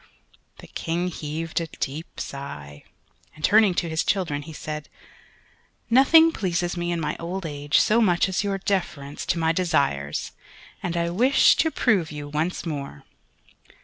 The King heaved a deep sigh, and turning to his children said, "Nothing pleases me, in my old age, so much as your deference to my desires, and I wish to prove you once more.